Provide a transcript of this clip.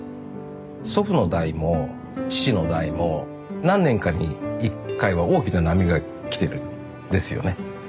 祖父の代も父の代も何年かに一回は大きな波が来てるんですよね。